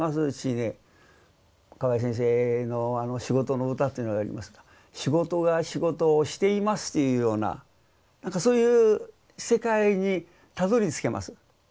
うちにね河井先生の「仕事のうた」というのがありますが「仕事が仕事をしています」というようなそういう世界にたどりつけます。